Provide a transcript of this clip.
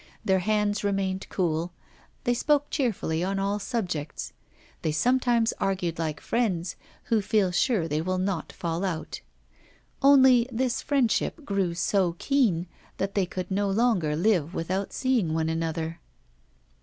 Their hands remained cool; they spoke cheerfully on all subjects; they sometimes argued like friends, who feel sure they will not fall out. Only, this friendship grew so keen that they could no longer live without seeing one another.